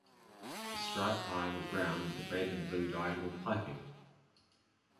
The striped tie was brown with red and blue diagonal piping.